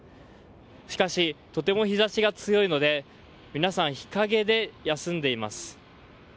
しかし、とても日差しが強いので皆さん日陰で休んでいます。